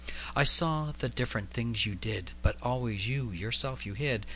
I saw the different things you did, But always you yourself you hid.